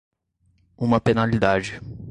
Uma penalidade.